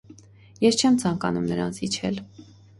Ես չեմ ցանկանում նրան զիջել։